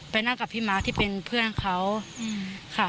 นั่งกับพี่มาร์คที่เป็นเพื่อนเขาค่ะ